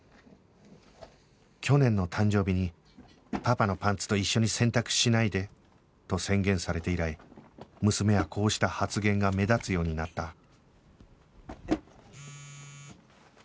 去年の誕生日にパパのパンツと一緒に洗濯しないで！と宣言されて以来娘はこうした発言が目立つようになった